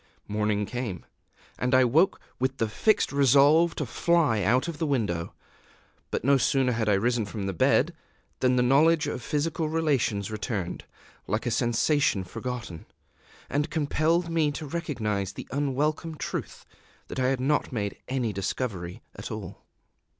Morning came; and I woke with the fixed resolve to fly out of the window. But no sooner had I risen from bed than the knowledge of physical relations returned, like a sensation forgotten, and compelled me to recognize the unwelcome truth that I had not made any discovery at all.